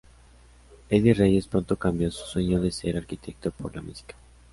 Eddie Reyes pronto cambió su sueño de ser arquitecto por la música.